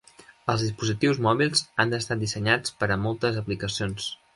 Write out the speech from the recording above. Els dispositius mòbils han estat dissenyats per a moltes aplicacions.